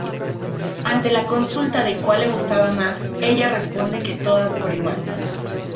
Ante la consulta de cual le gustaba más, ella responde que todas por igual.